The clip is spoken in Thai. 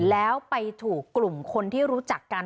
แล้วไปถูกกลุ่มคนที่รู้จักกัน